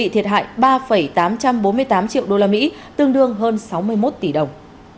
thiệt hại ba tám trăm bốn mươi tám triệu usd tương đương hơn sáu mươi một tỷ đồng